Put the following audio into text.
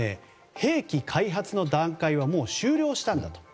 それは、兵器開発の段階はもう終了したんだと。